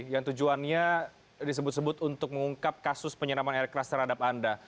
yang tujuannya disebut sebut untuk mengungkap kasus penyeraman air keras terhadap anda